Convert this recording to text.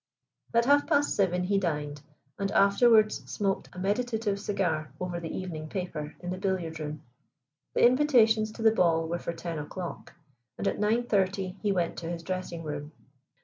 At half past seven he dined, and afterwards smoked a meditative cigar over the evening paper in the billiard room. The invitations to the ball were for ten o'clock, and at nine thirty he went to his dressing room.